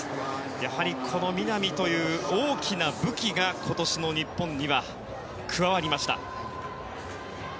やはり、この南という大きな武器が今年の日本には加わりました。